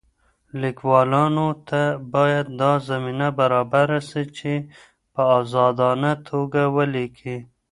ليکوالانو ته بايد دا زمينه برابره سي چي په ازادانه توګه وليکي.